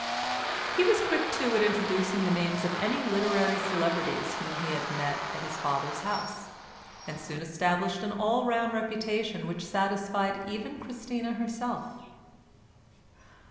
He was quick too at introducing the names of any literary celebrities whom he had met at his father's house, and soon established an all round reputation which satisfied even Christina herself.